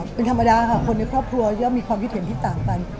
เป็นธรรมดาค่ะคนในครอบครัวย่อมมีความคิดเห็นที่ต่างกัน